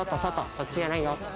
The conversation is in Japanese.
そっちじゃないよ。